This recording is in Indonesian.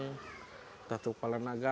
atau kepala naga